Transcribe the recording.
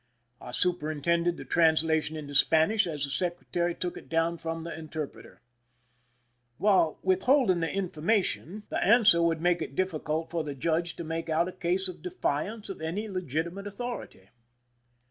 I superintended the translation into Spanish as the secretary took it down from the interpreter. While withholding the information, the answer 186 IMPRISONMENT IN MORRO CASTLE would make it difficult for the judge to make out a case of defiance of any legitimate authority.